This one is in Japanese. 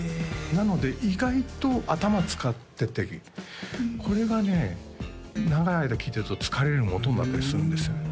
なので意外と頭使っててこれがね長い間聴いてると疲れるもとになったりするんですよね